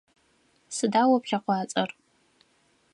Сыда о плъэкъуацӏэр?